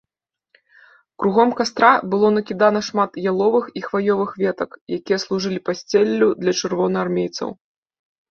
Кругом кастра было накідана шмат яловых і хваёвых ветак, якія служылі пасцеллю для чырвонаармейцаў.